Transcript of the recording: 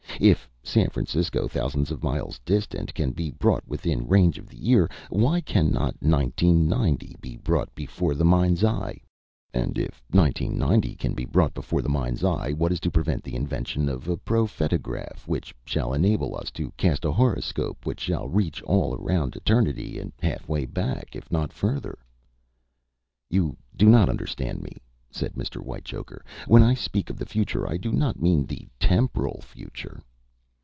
If San Francisco, thousands of miles distant, can be brought within range of the ear, why cannot 1990 be brought before the mind's eye? And if 1990 can be brought before the mind's eye, what is to prevent the invention of a prophetograph which shall enable us to cast a horoscope which shall reach all around eternity and half way back, if not further?" [Illustration: THE PROPHETOGRAPH] "You do not understand me," said Mr. Whitechoker. "When I speak of the future, I do not mean the temporal future."